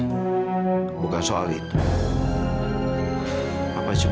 papa cuma ingin tahu bahwa selama ini mantan istri papa itu ibu nena